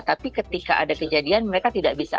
tapi ketika ada kejadian mereka tidak bisa